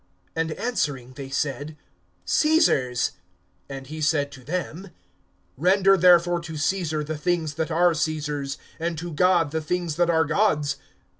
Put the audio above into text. And answering they said: Caesar's. (25)And he said to them: Render therefore to Caesar the things that are Caesar's, and to God the things that are God's.